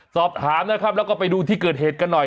สอบถามนะครับแล้วก็ไปดูที่เกิดเหตุกันหน่อย